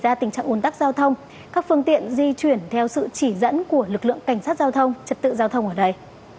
xảy ra tình trạng ồn tắc giao thông các phương tiện di chuyển theo sự chỉ dẫn của lực lượng cảnh sát giao thông trật tự giao thông ở đây